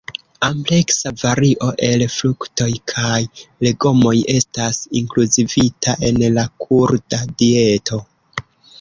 Ampleksa vario el fruktoj kaj legomoj estas inkluzivita en la kurda dieto.